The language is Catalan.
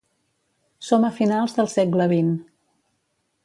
Som a finals del segle vint.